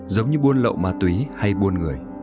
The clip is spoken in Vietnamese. giống như buôn lậu ma túy hay buôn người